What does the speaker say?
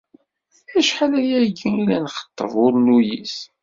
Acḥal ayagi i la nxeṭṭeb ur nuyis.